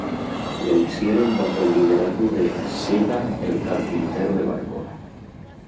Lo hicieron bajo el liderazgo de Círdan el carpintero de barcos.